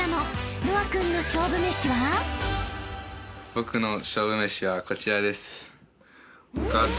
僕の勝負めしはこちらです。